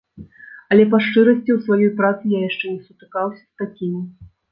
Але, па-шчырасці, у сваёй працы я яшчэ не сутыкаўся з такімі.